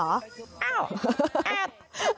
อ้าวแอ๊บ